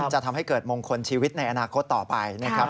จะทำให้เกิดมงคลชีวิตในอนาคตต่อไปนะครับ